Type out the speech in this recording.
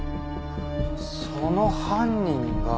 その犯人が。